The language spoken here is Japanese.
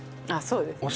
そうですね